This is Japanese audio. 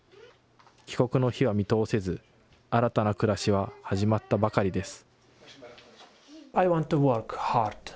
帰国の日は見通せず、新たな暮らしは始まったばかりです。